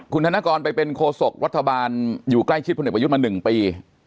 คุณธนกรไปเป็นโคศกรัฐบาลอยู่ใกล้ชิดพลเอกประยุทธ์มา๑ปี